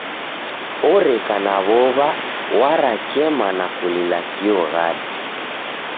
Oreka na w'ow'a warakema na kulila kioghadi.